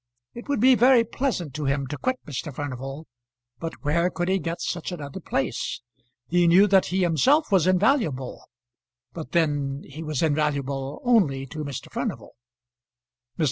It would be very pleasant to him to quit Mr. Furnival, but where could he get such another place? He knew that he himself was invaluable, but then he was invaluable only to Mr. Furnival. Mr.